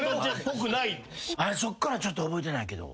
そっからちょっと覚えてないけど。